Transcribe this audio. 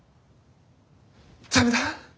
駄目だ。